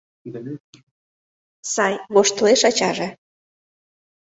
— Сай, — воштылеш ачаже.